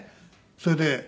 それで。